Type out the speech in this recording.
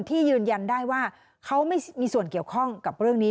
ยืนยันได้ว่าเขาไม่มีส่วนเกี่ยวข้องกับเรื่องนี้